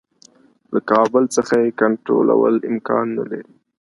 له کابل څخه یې کنټرولول امکان نه لري.